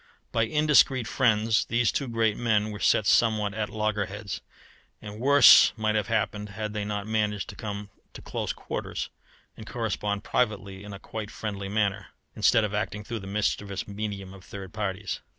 By indiscreet friends these two great men were set somewhat at loggerheads, and worse might have happened had they not managed to come to close quarters, and correspond privately in a quite friendly manner, instead of acting through the mischievous medium of third parties.